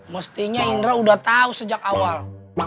mestinya indra udah tau sejak awal